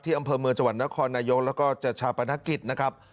อำเภอเมืองจังหวัดนครนายกแล้วก็จัดชาปนกิจนะครับ